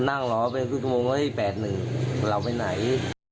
นั่งร้อนเป็น๓๐นาทีละเอ้ย๘๑เราไปไหน